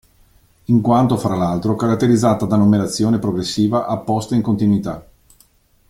In quanto (fra l'altro) caratterizzata da numerazione progressiva apposta in continuità.